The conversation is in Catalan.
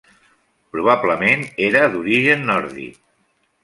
Probablement era d'origen nòrdic.